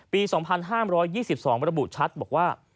ปี๒๕๒๒ระบุชัดบอกว่า